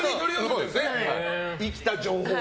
生きた情報を。